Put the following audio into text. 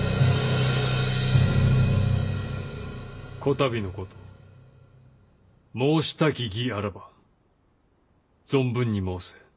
此度のこと申したき儀あらば存分に申せ。